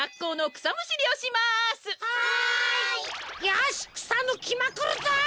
よしくさぬきまくるぞ！